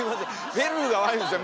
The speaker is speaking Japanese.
めるるが悪いんですよ。